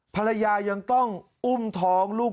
ภรรยายังต้องอุ้มท้องลูก